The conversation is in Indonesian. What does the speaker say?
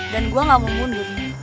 dan gua gak mau mundur